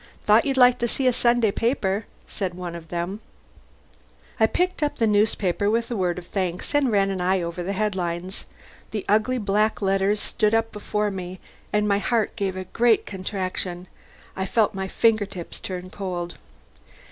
"Thought you'd like to see a Sunday paper," said one of them. I picked up the newspaper with a word of thanks and ran an eye over the headlines. The ugly black letters stood up before me, and my heart gave a great contraction. I felt my fingertips turn cold.